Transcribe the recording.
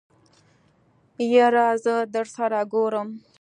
يره زه درسره ګورم.